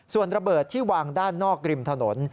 ส่วนระเบิดที่วางด้านนอกริมถนน